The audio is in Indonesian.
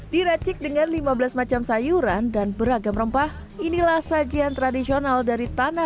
diracik dengan lima belas macam sayuran dan beragam rempah inilah sajian tradisional dari tanah